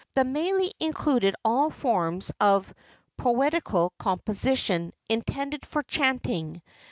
The mele included all forms of poetical composition intended for chanting.